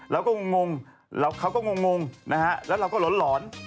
เราก็งงเขาก็งงแล้วเราก็หล่อน